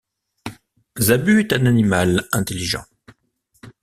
Zabu est un animal intelligent.